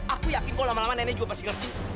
aku yakin kok lama lama nenek juga pasti ngerti